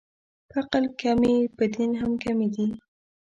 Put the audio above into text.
په عقل کمې، په دین هم کمې دي